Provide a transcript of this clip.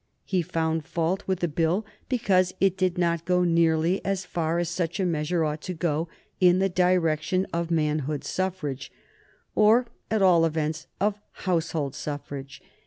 He found fault with the Bill because it did not go nearly as far as such a measure ought to go in the direction of manhood suffrage, or, at all events, of household suffrage.